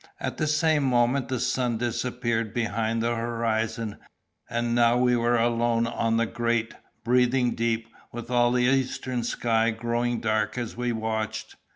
At the same moment the sun disappeared behind the horizon; and now we were alone on the great, breathing deep, with all the eastern sky growing dark as we watched.